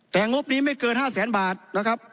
แต่งบนี้ไม่เกิน๕แสนบาทนะครับ